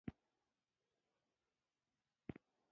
دی یواځي ووت، میثاقونه یې لا پاتې دي